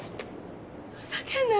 ふざけんなよ